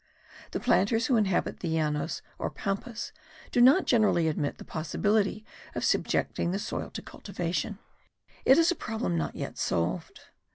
The planters who inhabit the Llanos or Pampas do not generally admit the possibility of subjecting the soil to cultivation; it is a problem not yet solved.